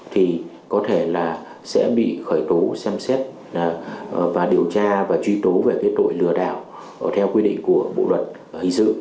thì có thể là sẽ bị khởi tố xem xét và điều tra và truy tố về cái tội lừa đảo theo quy định của bộ luật hình sự